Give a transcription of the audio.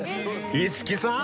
五木さーん！